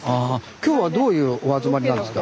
今日はどういうお集まりなんですか？